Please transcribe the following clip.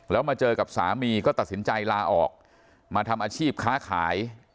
แล้วมาเจอกับสามีก็ตัดสินใจลาออกมาทำอาชีพค้าขาย